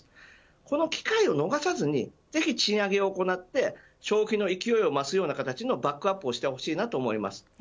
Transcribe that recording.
この機会を逃さずにぜひ賃上げを行って消費の勢いを増すような形のバックアップをしてほしいと思います。